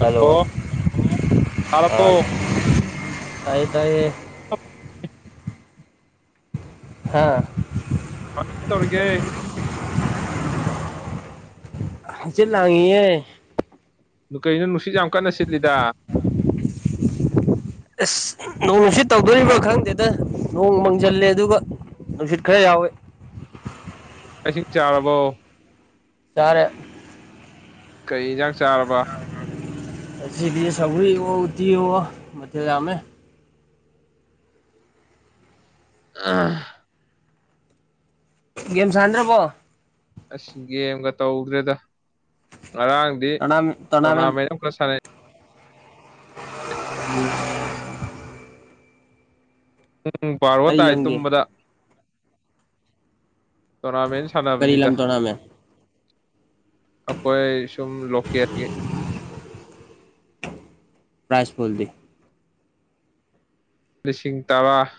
hello ꯑ ꯇꯥꯔꯕꯣ ꯇꯥꯏꯌꯦ ꯇꯥꯏꯌꯦ ꯍꯥꯥ ꯑ ꯇꯧꯔꯒꯦ ꯆꯠ ꯂꯥꯡꯉꯌꯦ ꯀꯩꯅꯣ ꯅꯨꯡꯁꯤꯠ ꯌꯥꯝ ꯀꯟꯅ ꯁꯤꯠꯂꯤꯗ ꯑꯁ ꯅꯣꯡꯁꯤꯠ ꯇꯧꯗꯣꯔꯤꯕꯥ ꯈꯪꯗꯦꯗ ꯅꯣꯡ ꯃꯪꯁꯤꯜꯂꯦ ꯑꯗꯨꯒ ꯅꯨꯡꯁꯤꯠ ꯈꯔ ꯌꯥꯎꯋꯦ [inaudible] ꯁꯤꯡ ꯆꯥꯔꯕꯣ ꯆꯔꯦ ꯀꯩ ꯌꯦꯟꯖꯥꯡ ꯆꯥꯔꯕ ꯑꯦꯁꯤ ꯂ ꯁꯧꯔꯤ ꯑꯣ ꯎꯇꯤ ꯑꯣ ꯃꯊꯦꯖꯥ ꯑꯃ ꯑꯥ ꯒꯦꯝ ꯁꯥꯟꯗ꯭ꯔꯕꯣ ꯑꯁꯤꯁꯒꯦꯝꯒ ꯇꯧꯗ꯭ꯔꯦꯗ ꯉꯔꯥꯡꯗꯤ ꯇꯣꯔꯅꯥꯃꯦꯟ ꯑꯃꯈꯛ ꯁꯥꯟꯅꯩ ꯎꯝ ꯄꯨꯡ ꯕꯥꯔꯣ ꯀꯔꯤ ꯇꯥꯏ ꯂꯝꯒꯤ ꯇꯨꯝꯕꯗ ꯇꯣꯔꯅꯥꯃꯦꯟ ꯀꯔꯤ ꯂꯝ ꯁꯥꯟꯅꯕꯅꯤꯗ ꯇꯣꯔꯅꯥꯃꯦꯟ ꯑꯩꯈꯣꯏ ꯁꯨꯝ ꯂꯀꯦꯒꯦ ꯄ꯭ꯔꯥꯏꯖ ꯐꯣꯜꯗꯤ ꯂꯤꯁꯤꯡ ꯇꯔꯥ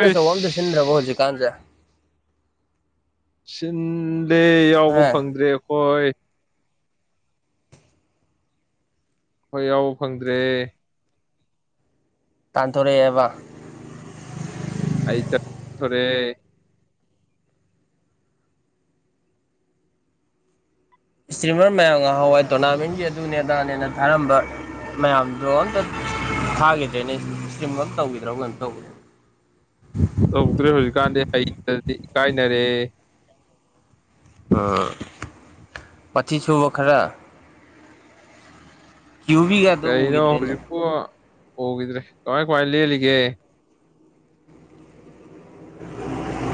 ꯅ ꯁꯣꯗꯤ ꯁꯤ꯭ꯔꯣ ꯍꯧꯖꯤ ꯀꯥꯟꯁꯦ ꯁꯤꯟꯗꯦ ꯍꯦ ꯌꯥꯎꯕ ꯐꯪꯗ꯭ꯔꯦ ꯑꯩꯈꯣꯏ ꯍꯣꯏ ꯌꯥꯎꯕ ꯐꯪꯗ꯭ꯔꯦ ꯇꯥꯟꯊꯣꯔꯛꯑꯦꯕ ꯏ ꯊꯔꯦ ꯏꯁꯇ꯭ꯔꯤꯝꯃꯔ ꯃꯌꯥꯝ ꯉꯍꯥꯎꯋꯥꯏ ꯇꯣꯔꯅꯥꯃꯦꯟꯒꯤ ꯑꯗꯨꯅꯦ ꯑꯗꯥꯅꯦꯅ ꯊꯥꯔꯝꯕ ꯃꯌꯥꯝꯗꯣ ꯑꯝꯇ ꯊꯥꯈꯤꯗ꯭ꯔꯦꯅꯦ ꯏꯁꯇꯤꯝ ꯇꯧꯈꯤꯗ꯭ꯔꯕ ꯀꯩꯅ ꯇꯧꯗ꯭ꯔ ꯗꯤ ꯀꯥꯏ ꯅ ꯔꯦ ꯑ ꯄꯆꯤꯁꯨꯕꯈꯔ ꯀꯩꯅꯣ ꯎꯈꯤꯗ꯭ꯔꯦꯅꯦ ꯍꯧꯖꯤꯛꯄꯨ ꯎꯈꯤꯗ꯭ꯔꯦ ꯀꯃꯥꯏ ꯀꯃꯥꯏ ꯂꯦꯜꯂꯤꯒꯦ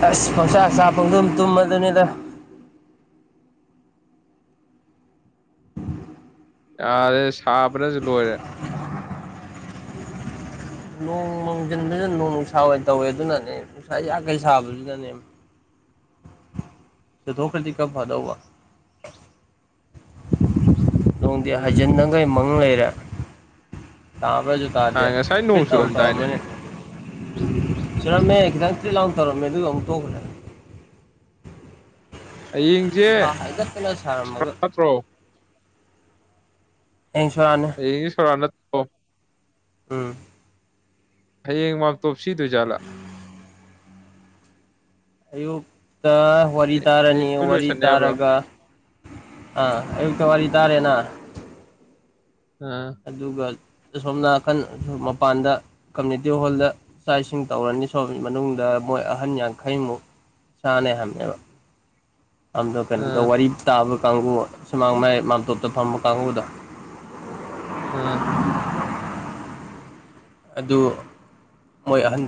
ꯑꯁ ꯄꯧꯁꯥ ꯆꯥꯐꯥꯎꯗꯝ ꯇꯨꯝꯃꯗꯅꯤꯗ ꯌꯥꯔꯦ ꯁꯥꯕꯅꯁꯨ ꯂꯣꯏꯔꯦ ꯅꯣꯡ ꯃꯥꯡꯁꯤꯟꯗꯅ ꯅꯣꯡ ꯅꯨꯡꯁꯥ ꯑꯣꯏꯅ ꯇꯧꯋꯦ ꯑꯗꯨꯅꯅꯦ ꯅꯨꯡꯁꯥ ꯌꯥꯈꯩ ꯁꯥꯕꯁꯤꯅꯅꯦ ꯁꯤ ꯊ ꯈꯔꯗꯤ ꯀꯞ ꯐꯥꯗ ꯍꯋꯥ [unintelligible] ꯅꯣꯡꯗꯤ ꯎꯝ ꯍꯥꯏꯖꯤꯟꯅꯉꯥꯏ ꯃꯪ ꯂꯩꯔꯦ ꯇꯕ꯭ꯔ ꯑ ꯨꯇꯥꯥꯗ ꯉꯁꯥꯏ ꯐ ꯅꯣꯡ ꯇꯨ ꯇꯧꯔꯣ ꯃ ꯆꯨꯔꯝꯗꯥꯏꯅꯦ ꯆꯂꯣ ꯃ ꯑꯦꯗ ꯇꯤ ꯂꯥꯎꯅ ꯇꯧꯔꯝꯃꯦ ꯑꯗꯨ ꯑꯃꯨꯛ ꯇꯣꯛꯈ꯭ꯔꯦ ꯍꯌꯦꯡꯁꯦ ꯅꯨꯡꯁꯥ ꯍꯥꯏꯒꯠꯇꯅ ꯁꯥꯔꯝꯃꯒ ꯅꯠꯇ꯭ꯔꯣ ꯑꯦꯡꯁꯣꯔꯥꯅꯦ ꯑꯩ ꯁꯣꯔꯅꯠꯇꯣ ꯎꯝ ꯍꯌꯦꯡ ꯃꯥ ꯇꯣꯞꯁꯤꯗꯣꯏꯖꯥꯠꯂꯥ ꯑꯌꯨꯛꯇ ꯋꯥꯔꯤ ꯍꯌꯦꯡ ꯇꯥꯔꯅꯤ ꯂꯣꯏ ꯋꯥꯔꯤ ꯂꯣꯏꯁꯟꯅꯤ ꯍꯥꯏꯕ꯭ꯔꯣ ꯇꯥꯔꯒ ꯑ ꯑꯛꯇ ꯋꯥꯔꯤ ꯇꯥꯔꯦꯅ ꯑꯥ ꯑꯗꯨꯒ ꯑꯁꯣꯝ ꯅꯥꯀꯟ ꯃꯄꯥꯟꯗ ꯀꯝꯃꯨꯅꯤꯇꯤ ꯍꯣꯜꯗ ꯆꯥꯛ ꯏꯁꯤꯡ ꯇꯧꯔꯅꯤ ꯁꯣꯝ ꯃꯅꯨꯡꯗ ꯃꯣꯏ ꯑꯍꯅ ꯈꯩꯃꯨ ꯁꯅꯦꯦꯍꯃꯕ ꯑꯗ ꯀꯩꯅꯣꯗ ꯑꯥ ꯋꯥꯔꯤ ꯇꯥꯕ ꯀꯥꯡꯕꯨ ꯁꯨꯃꯥꯡ ꯃꯌꯥꯏ ꯃꯥꯥꯟꯇꯣꯞꯇ ꯐꯝꯕ ꯀꯥꯡꯕꯨꯗꯣ ꯑ ꯑꯗꯨ ꯃꯣꯏ ꯑꯍꯟ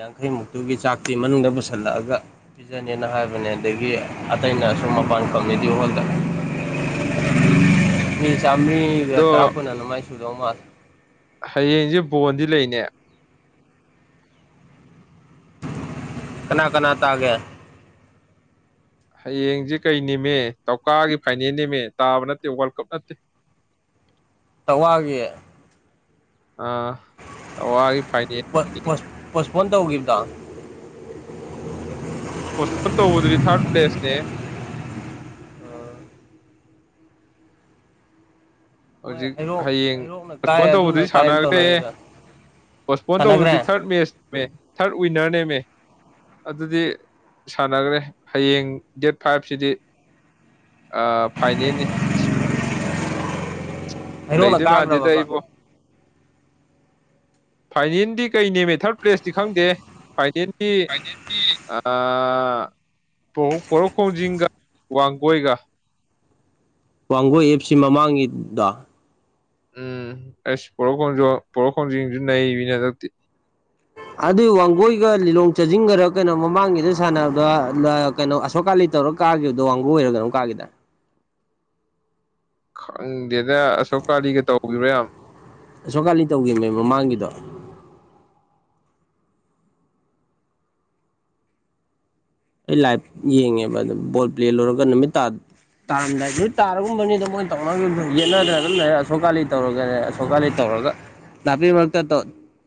ꯌꯥꯡꯈꯩꯃꯨꯛꯇꯨꯒꯤ ꯆꯥꯛꯇꯤ ꯃꯅꯨꯡꯗ ꯄꯨꯁꯜꯂꯛꯑꯒ ꯄꯤꯖꯅꯤꯅ ꯍꯥꯏꯕꯅꯦꯅ ꯑꯗꯒꯤ ꯑꯇꯩꯅ ꯁꯨꯝ ꯃꯄꯥꯟ ꯀꯝꯃꯤꯗꯤ ꯍꯣꯜꯗ [unintelligible] ꯃꯤ ꯆꯝꯅꯤ ꯑꯗꯣ ꯇ꯭ꯔꯥꯄꯣꯏꯅꯦꯅꯃꯥꯏꯁꯨꯨꯗꯣ ꯃꯥꯜ ꯍꯌꯦꯡꯁꯦ ꯕꯣꯟꯗꯤ ꯂꯩꯅꯦ ꯀꯅꯥ ꯀꯅꯥ ꯇꯥꯒꯦ ꯍꯌꯦꯡꯁꯦ ꯀꯩ ꯝꯃꯦ ꯇꯧꯀꯥꯒꯤ ꯐꯥꯏꯅꯦꯜ ꯅꯤꯝꯃꯦ ꯇꯥꯕ ꯅꯠꯇꯦ ꯋꯥꯔꯜ ꯀꯞ ꯅꯠꯇꯦ ꯇꯋꯥꯒꯤꯦ ꯑꯥ ꯑꯋꯥꯒꯤ ꯐꯥꯏꯅꯦ ꯐ ꯇ ꯎꯒꯤꯈꯤꯕꯗ ꯀꯣꯁꯟ ꯇ ꯎꯗꯔꯤ ꯊꯔꯠ ꯄ꯭ꯂꯁꯦ ꯃꯣꯏ ꯍꯧꯖꯤꯛ ꯍꯩꯔꯣꯛ ꯍꯌꯦꯡ ꯍꯩꯔꯣꯛꯅ ꯀꯥꯏ ꯄꯣꯁꯄꯣꯟ ꯑꯗꯨꯅ ꯇꯧꯕꯗꯨꯗꯤ ꯀꯥꯏꯅ ꯁꯥꯟꯅꯈ꯭ꯔꯦ ꯇꯧꯅꯈꯤꯕ ꯄꯣꯁꯄꯣꯟ ꯇꯧꯕꯗꯨꯗꯤ ꯁꯥꯟꯅꯈ꯭ꯔꯦ ꯊꯥꯔꯠ ꯃꯦꯠꯆꯅꯦꯃꯦ ꯊꯥꯔꯠ ꯋꯤꯟꯅꯔ ꯅꯦꯝꯃꯦ ꯑꯗꯨꯗꯤ ꯁꯥꯟꯅꯈ꯭ꯔꯦ ꯍꯌꯦꯡ ꯗꯦꯠ ꯐꯥꯏꯚꯁꯤꯗꯤ ꯑ ꯐꯥꯏꯅꯦ ꯂꯩ ꯍꯩꯔꯣꯛꯅ ꯂꯩꯗ ꯀꯥꯈ꯭ꯔꯕꯕ ꯃꯥꯖꯤꯦꯗꯏꯕꯣ ꯐꯥꯏꯅꯦꯜꯗꯤ ꯀꯩꯅꯦ ꯃꯦꯊꯔꯠ ꯄ꯭ꯂꯦꯁꯇꯤ ꯈꯪꯗꯦ ꯀꯥꯏꯗꯤꯗꯤ ꯄꯔꯣꯈꯣꯡꯖꯤꯡꯒ ꯋꯥꯒꯣꯏꯒ ꯋꯥꯡꯒꯣꯏ ꯑꯦꯞꯁꯤ ꯃꯃꯥꯡꯒꯤꯗ ꯎꯝ ꯑꯁ ꯄꯔꯈꯁꯨ ꯄꯔꯈꯅ ꯆꯇꯤ ꯑꯗꯨꯏ ꯋꯥꯡꯒꯣꯏꯒ ꯂꯤꯂꯣꯡ ꯆꯥꯖꯤꯡꯒꯔ ꯀꯩꯅꯣ ꯃꯃꯥꯡꯒꯤꯗ ꯁꯥꯟꯅꯕ ꯀꯩꯅꯣ ꯑꯁꯣꯛ ꯀꯂꯤ ꯇꯧꯔ ꯀꯥꯈꯤꯕꯗꯣ ꯋꯥꯡꯒꯨ ꯑꯣꯏꯔꯒꯅꯨꯛ ꯀꯥꯈꯤꯗ ꯈꯪꯗꯦꯗ ꯑꯁꯣꯛ ꯀꯥꯂꯤꯒ ꯇꯧꯔꯣ ꯌꯥꯝ ꯑꯁꯣꯝꯀꯥꯂꯤ ꯇꯧꯈꯤꯕꯅꯦ ꯃꯃꯥꯡꯒꯤꯗꯣ ꯑꯩ ꯂꯥꯏꯚ ꯌꯦꯡꯉꯦꯕ ꯑꯗꯨ ꯕꯣꯜ ꯄ꯭ꯂꯦ ꯂꯧꯔꯒ ꯅꯨꯃꯤꯠ ꯇꯥ ꯇꯥꯔꯝꯗꯥꯏ ꯅꯣꯏ ꯇꯥꯔꯒꯨꯝꯕꯅꯤꯗ ꯃꯣꯏ ꯇꯧꯝ ꯌꯦꯠꯅ꯭ꯔꯦ ꯑꯗꯨꯝ ꯂꯩꯔ ꯑꯁꯣꯛ ꯀꯥꯜꯂꯤ ꯇꯧꯔꯒ ꯑꯁꯣꯛꯀꯥꯂꯤ ꯇꯧꯔꯦ ꯅꯥꯄꯤ ꯃꯔꯛꯇ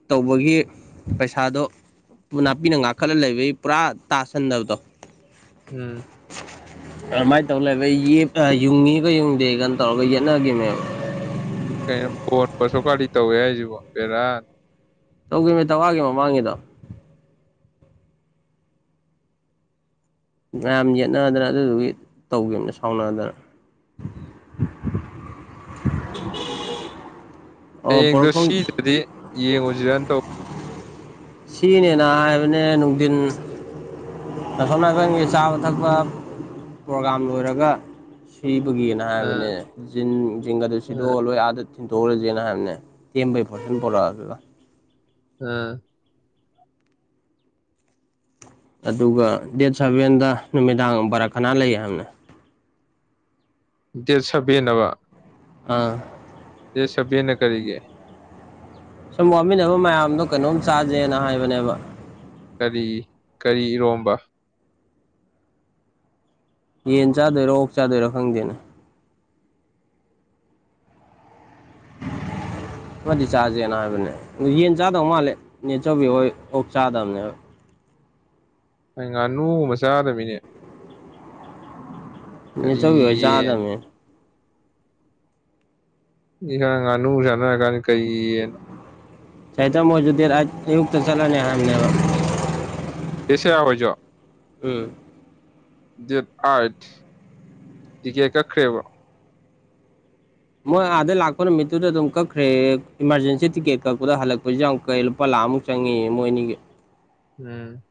ꯇꯧꯕꯒꯤ ꯄꯩꯁꯥꯗꯣ ꯅꯥꯄꯤꯅ ꯉꯥꯈꯠꯂ ꯂꯩꯕꯩ ꯄꯨꯔꯥ ꯇꯥꯁꯟꯗꯕꯗꯣ ꯎꯝ ꯑꯗꯨꯃꯥꯏꯅ ꯇꯧ ꯂꯩꯕ ꯌꯨꯡꯉꯤꯒ ꯌꯨꯡꯗꯦꯒꯅ ꯇꯧꯔꯒ ꯌꯦꯠꯅꯈꯤꯕꯅꯦ ꯀꯩꯅ ꯄꯣꯟꯕꯁꯨ ꯀꯔꯤ ꯇꯧꯋꯦ ꯍꯥꯏꯁꯤꯕꯣ ꯦꯔꯥꯟ ꯇꯧꯈꯤꯕꯃꯤ ꯇꯥꯛꯋꯥꯒꯤ ꯃꯃꯥꯡꯒꯤꯗ ꯃꯌꯥꯝ ꯌꯦꯠꯅꯗꯅ ꯑꯗꯨꯗꯨꯒꯤ ꯇꯧꯈꯤꯕꯅꯦ ꯁꯥꯎꯅꯗꯅ [unintelligible] [unintelligible] ꯍꯌꯦꯡꯗꯣ ꯄꯣꯔꯛꯐꯝ ꯁꯤꯗꯗꯤ ꯌꯦꯡꯉꯨꯁꯤꯔꯅ ꯇꯧꯕ ꯁꯤꯅꯦꯅ ꯍꯥꯏꯕꯅꯦ ꯅꯨꯡꯊꯤꯟ ꯑꯁꯣ ꯅꯥꯀꯟꯒꯤ ꯆꯥꯕ ꯊꯛꯄ ꯄ꯭ꯔꯣꯒꯥꯝ ꯂꯣꯏꯔꯒ ꯁꯤ ꯑꯗꯨꯒꯤꯅ ꯑ ꯍꯥꯏꯕꯅꯦ ꯖꯤꯟ ꯑꯗꯨ ꯑ ꯁꯤꯂꯣ ꯂꯣꯏ ꯑꯥꯗ ꯊꯤꯟꯗꯣꯛꯎꯔꯁꯦꯅ ꯍꯥꯏꯕꯅꯦ ꯇꯦꯟꯕꯩ ꯄꯣꯔꯁꯟ ꯄꯨꯔꯛꯑ ꯑꯗꯨꯒ ꯑꯝ ꯑꯗꯨꯒ ꯗꯦꯠ ꯁꯚꯦꯟꯗ ꯅꯨꯃꯤꯗꯥꯡ ꯚꯔꯥ ꯀꯅꯥ ꯂꯩ ꯍꯥꯏꯕꯅꯦ ꯗꯦꯠ ꯁꯕꯦꯟ ꯍꯥꯏꯕꯥ ꯑꯥ ꯑꯦ ꯁꯕꯤꯅ ꯀꯔꯤꯒꯦ ꯁꯨꯝ ꯋꯥꯃꯤꯟꯅꯕ ꯃꯌꯥꯝꯗꯣ ꯀꯩꯅꯣꯝ ꯆꯥꯖꯦꯅ ꯍꯥꯏꯕꯅꯦꯕ ꯀꯔꯤ ꯀꯔꯤ ꯏꯔꯣꯝꯕ ꯌꯦꯟ ꯆꯥꯗꯣꯏꯔꯣ ꯑꯣꯛ ꯆꯥꯗꯣꯏꯔꯣ ꯈꯪꯗꯦꯅꯦ [unintelligible] ꯃꯗꯤ ꯆꯥꯥꯁꯦꯅ ꯍꯥꯏꯕꯅꯦ ꯑꯗꯨ ꯌꯦꯟ ꯆꯥꯗꯧ ꯃꯥꯜꯂꯦ ꯌꯦꯠꯆꯧꯕꯤ ꯍꯣꯏ ꯑꯣꯛ ꯆꯥꯗꯕꯅꯦ ꯑꯩ ꯉꯥꯅꯨ ꯒꯨꯝꯕ ꯆꯥꯗꯧꯕꯤꯅꯦ ꯅꯤꯆꯧꯕꯤ ꯍꯣꯏ ꯌꯦꯟ ꯆꯥꯗꯝꯃꯦ ꯍꯧꯖꯤꯛꯀꯟ ꯉꯥꯅꯨ ꯁꯥꯟꯅꯔ ꯀꯥꯟꯗ ꯀꯩꯒꯤ ꯌꯟ ꯆꯍꯤꯗ ꯃꯖꯨꯗ ꯑꯌꯨꯛꯇ ꯆꯂꯅꯤ ꯍꯥꯏꯅꯕ ꯑꯦꯁꯦ ꯌꯥꯋꯥꯣꯏꯖꯣ ꯎꯝ ꯗꯦꯠ ꯐꯤꯕ ꯇꯤꯀꯦꯠ ꯑꯦꯈ꯭꯭ꯔꯦꯕ ꯃꯣꯏ ꯑꯥꯗꯩ ꯂꯥꯛꯄ ꯅꯨꯃꯤꯠꯇꯨꯗ ꯑꯗꯨꯝ ꯀꯛꯈ꯭ꯔꯦ ꯏꯃꯥꯔꯖꯦꯟꯁꯤ ꯇꯤꯀꯦꯠ ꯀꯛꯄꯗ ꯍꯜꯂꯛꯄꯁꯤ ꯀꯩ ꯂꯨ ꯂꯦ ꯊꯥꯃꯨꯛ ꯆꯪꯉꯤ ꯃꯣꯏꯅꯤꯒꯤ ꯎꯝ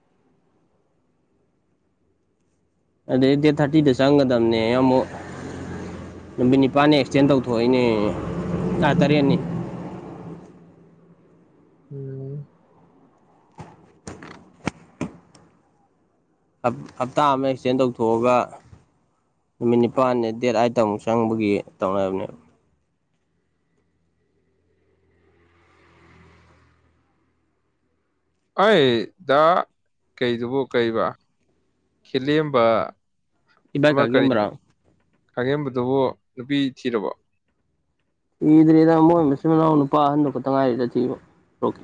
ꯑꯗꯨꯗꯩ ꯗꯦꯠ ꯊꯥꯔꯇꯤꯗ ꯆꯪꯒꯗꯝꯕꯅꯦ ꯌꯥꯝ ꯑꯃꯨꯛ ꯅꯨꯃꯤꯠ ꯅꯤꯄꯥꯜꯅꯤ ꯑꯦꯛꯁꯇꯦꯟ ꯇꯧꯊꯣꯛꯏꯅꯦ ꯂꯥ ꯇꯔꯦꯠꯅꯤ [unintelligible] ꯎꯝ ꯍꯞꯇꯥ ꯑꯃ ꯑꯦꯛꯁꯇꯦꯟ ꯇꯧꯊꯣꯛꯑꯒ ꯅꯨꯃꯤꯠ ꯅꯤꯄꯥꯜꯅꯤ ꯗꯦꯠ ꯑꯠꯇ ꯑꯃꯨꯛ ꯆꯪꯕꯒꯤ ꯇꯧꯅꯕꯅꯦꯕ ꯑꯩ ꯗ ꯀꯩꯗꯨꯕꯨ ꯀꯩꯕ ꯈꯤꯂꯦꯝꯕ ꯏꯕ ꯀꯒꯦ ꯑꯃ꯭ꯔꯥ ꯈꯥꯡꯉꯦꯝꯕꯗꯨꯕꯨ ꯅꯨꯄꯤ ꯊꯤꯔꯕ ꯊꯤꯗ꯭ꯔꯔꯤꯗ ꯃꯣꯏ ꯃꯆꯤꯟ ꯃꯅꯥꯎ ꯅꯨꯄꯥ ꯑꯍꯟꯗ ꯈꯛꯇ ꯉꯥꯏꯔꯤꯗ ꯊꯤꯕ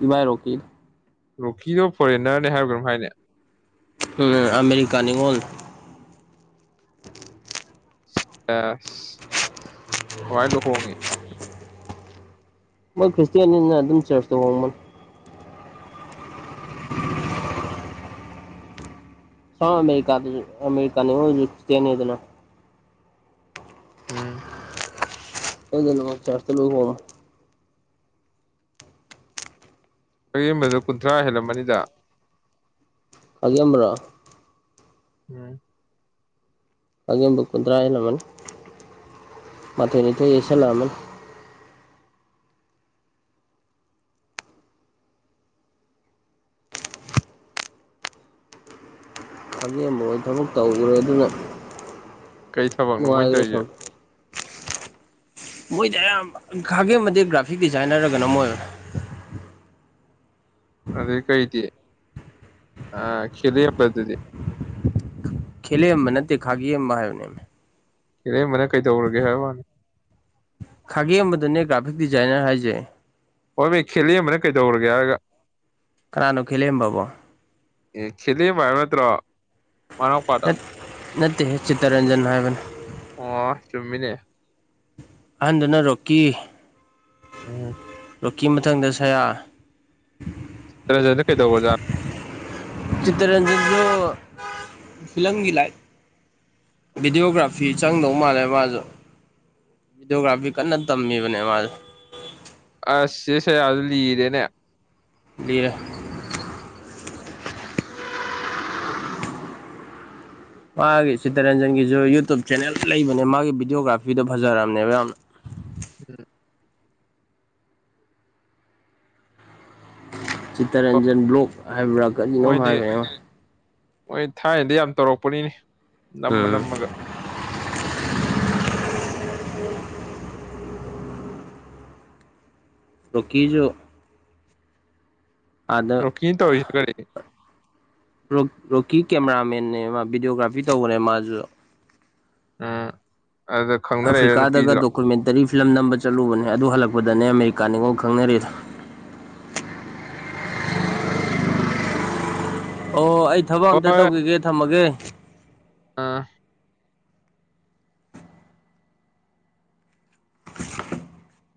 ꯏꯕꯥꯏ ꯔꯣꯛꯀꯤꯗ ꯂꯣꯛꯀꯤꯗꯣ ꯐꯣꯔꯦꯟꯅꯔꯅꯦ ꯍꯥꯏꯕ ꯀꯝ ꯍꯥꯏꯅꯦ ꯑꯝ ꯑꯃꯦꯔꯤꯀꯥ ꯅꯤꯉꫭꯜꯅꯤ ꯑꯦꯁ ꯀꯃꯥꯏ ꯂꯨꯍꯣꯡꯒꯦ ꯃꯣꯏ ꯈ꯭ꯔꯤꯁꯇꯤꯌꯥꯅꯤꯅ ꯑꯗꯨꯝ ꯆꯔꯆ ꯇꯧꯕꯣꯡ [unintelligible] ꯍꯥ ꯑꯔꯤꯀꯥꯗ ꯑꯦꯔꯤꯀꯥꯅꯤꯇꯅꯤꯗꯅ ꯎꯝ [unintelligible] ꯑꯦꯝꯕꯗꯨ ꯀꯨꯟꯊ꯭ꯔꯥ ꯍꯦꯜꯂꯝꯃꯅꯤꯗ ꯑꯒꯤꯔ ꯎꯝ ꯑꯒꯦꯝꯕꯨ ꯀꯨꯟꯗ꯭ꯔꯥ ꯏꯜꯂꯝꯟ ꯃꯥꯊꯣꯏꯅꯤꯊꯣꯏ ꯌꯦꯁꯜꯂꯛꯅꯤ ꯑꯖꯦꯝꯕ ꯑꯣꯏꯅ ꯊꯕꯛ ꯇꯧꯈ꯭ꯔꯦ ꯑꯗꯨꯅ ꯀꯩ ꯊꯕꯛꯅꯣ ꯃꯃꯣꯏꯅ ꯅꯨꯡꯉꯥꯏꯈ꯭ꯔꯦ ꯇꯧꯔꯤꯒꯦ ꯁꯨꯝ ꯃꯣꯏꯗꯤ ꯑꯌꯥꯝ ꯈꯥꯒꯦꯝꯃꯗꯤ ꯒ꯭ꯔꯥꯐꯤꯛ ꯗꯤꯖꯥꯏꯟꯅꯔꯒꯅ ꯃꯣꯏ [unintelligible] ꯑꯗꯦ ꯀꯩꯗꯤꯦ ꯑ ꯈꯦꯜꯂꯤꯄꯗꯨꯗꯤ ꯈꯦꯂꯕ ꯅꯠꯇꯦ ꯈꯥꯒꯝꯕ ꯍꯥꯏꯅꯦ ꯀꯔꯩꯕꯅ ꯀꯩꯗꯧꯔꯒꯦ ꯍꯥꯏꯕ ꯋꯥꯅꯤ ꯈꯥꯒꯦꯝ ꯑꯃꯗꯨꯅꯦ ꯒ꯭ꯔꯥꯐꯤꯛ ꯗꯤꯖꯥꯏꯅꯔ ꯍꯥꯏꯖꯩ ꯍꯣꯏꯕ ꯈꯦꯂꯤꯕꯅ ꯀꯩꯗꯧꯔꯒꯦ ꯍꯥꯏꯔꯒ ꯀꯅꯥꯅꯣ ꯈꯦ ꯂꯩꯕꯕꯣ ꯑꯦ ꯁꯤꯦꯂ ꯐꯥꯏ ꯅꯠꯇ꯭ꯔꯣ ꯃꯅꯛꯄꯥꯗ ꯅꯠ ꯅꯠꯇꯦꯍꯦ ꯆꯤꯇꯔꯟꯖꯟ ꯍꯥꯏꯕꯅꯦ ꯑꯣ ꯆꯨꯝꯃꯤꯅꯦ ꯑꯍꯟꯗꯨꯅ ꯔꯣꯛꯀꯤ ꯎꯝ ꯇꯣꯛꯀꯤ ꯃꯊꯪꯗ ꯁꯌꯥ ꯔꯟꯖꯟꯗ ꯀꯩꯗꯧꯕ ꯑꯣꯖꯥ ꯆꯤꯇꯔꯟꯖꯟꯁꯨ ꯐꯤꯂꯝꯒꯤ ꯂꯥꯏ ꯚꯤꯗꯤꯑꯣꯒ꯭ꯔꯥꯐꯤ ꯆꯪꯗꯧ ꯃꯥꯜꯂꯦ ꯃꯥꯁꯨ ꯗꯤꯑꯣꯒ꯭ꯔꯥꯐꯤ ꯀꯅ ꯊꯝꯃꯤꯕꯅꯦ ꯃꯥ ꯑꯁꯁꯦ ꯑꯗꯨ ꯂꯤꯔꯦꯅꯦ ꯗꯔ ꯃꯥꯒꯤ ꯁꯤꯇꯔꯟꯖꯟꯒꯤꯁꯨ ꯌꯨꯇꯨꯞ ꯆꯦꯅꯦꯜ ꯂꯩꯕꯅꯦ ꯃꯥꯒꯤ ꯚꯤꯗꯤꯑꯣꯒ꯭ꯔꯥꯐꯤꯗꯣ ꯐꯖꯔꯔꯕꯅꯦꯕ ꯌꯥꯝꯅ ꯎꯝ ꯆꯤꯇꯔꯟꯖꯟ ꯕ꯭ꯂꯣꯛ ꯍꯥꯏꯕ꯭ꯔꯥ ꯀꯔꯤꯅꯣꯝ ꯍꯥꯏꯕꯅꯦ ꯍꯣꯏ ꯊꯥꯏꯅꯗ ꯌꯥꯝ ꯇꯧꯔꯛꯄꯅꯤꯅꯤ ꯅꯝꯃ ꯎꯝ ꯅꯝꯃꯒ ꯔꯣꯀꯖꯣ ꯔꯣꯀ ꯇ ꯑꯣꯏꯁ ꯈꯔꯤ ꯔꯣꯀꯤ ꯀꯦꯃꯦꯔꯥꯃꯦꯦꯟꯅꯦ ꯃꯥ ꯚꯤꯗꯤꯑꯣꯒ꯭ꯔꯥꯐꯤ ꯇꯧꯕꯅꯦ ꯃꯥꯁꯨ ꯑꯥ ꯑꯐ꯭ꯔꯤꯀꯥꯗꯒ ꯗꯣꯀꯨꯃꯦꯟꯇꯔꯤ ꯐꯤꯂꯝ ꯅꯝꯕ ꯆꯠꯂꯨꯕꯅꯦ ꯑꯗꯨ ꯍꯜꯂꯛꯄꯗ ꯑꯗꯨꯗꯅꯦ ꯑꯃꯦꯔꯤꯀꯥꯅꯤꯉꯣꯜ ꯈꯪꯅꯔꯤ ꯎꯝ ꯑꯣ ꯑꯩ ꯊꯕꯛ ꯑꯝꯇ ꯍꯣꯏ ꯇꯧꯈꯤꯒꯦ ꯊꯝꯃꯒꯦ ꯑꯥ [unintelligible]